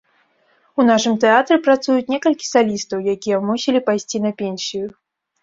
У нашым тэатры працуюць некалькі салістаў, якія мусілі пайсці на пенсію.